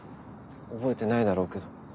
覚えてないだろうけど。